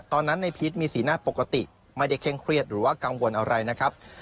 ตอนนั้นในพีชมีสีหน้าปกติไม่ได้เคร่งเครียดหรือว่ากังวลอะไรนะครับ